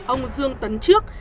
ông dương tấn trước